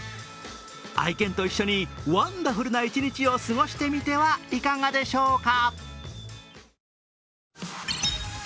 愛犬と一緒にわんダフルな一日を過ごしてみてはいかがでしょうか。